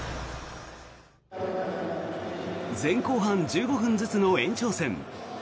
前後半１５分ずつの延長戦。